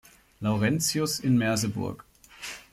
Laurentius in Merseburg.